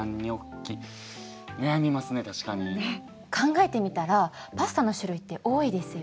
考えてみたらパスタの種類って多いですよね。